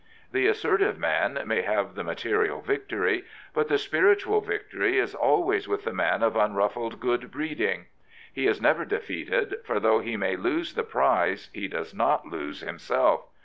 The assertive man may have the material victory; but the spiritual victory is always with the man of unruffled good breeding. He is never defeated, for though he may lose the prize he does not lose himself.